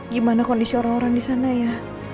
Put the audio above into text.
gimana kondisi orang orang di sana ya